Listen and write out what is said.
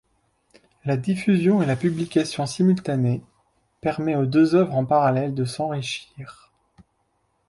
La diffusion et la publication simultanées permet aux deux œuvres en parallèle de s'enrichir.